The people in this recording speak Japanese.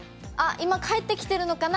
今帰ってきてるのかな？